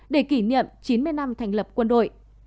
để kỷ niệm chín mươi năm thành lập quân đội